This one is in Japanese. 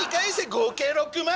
合計６万。